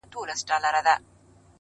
د تکراري حُسن چيرمني هر ساعت نوې یې.